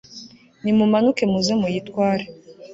Nimumanuke muze muyitware